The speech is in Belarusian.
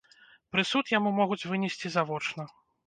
Прысуд яму могуць вынесці завочна.